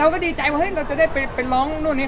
ก็ดีใจว่าเราจะได้ไปร้องนู่นนี่